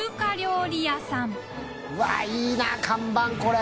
うわいいな看板これ。